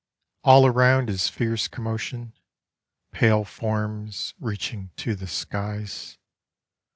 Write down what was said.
All around is fierce commotion, pale forms reach ing to the skies.